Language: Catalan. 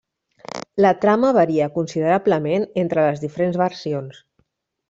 La trama varia considerablement entre les diferents versions.